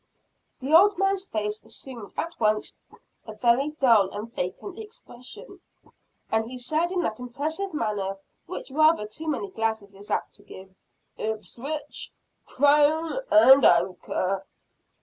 The old man's face assumed at once a very dull and vacant expression, and he said in that impressive manner which rather too many glasses is apt to give, "Ipswich. Crown and Anchor.